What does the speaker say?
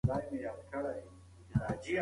ټولنپوهنه د ټولنیز ژوند مطالعه ده.